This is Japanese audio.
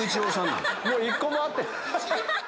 もう１個も合ってない。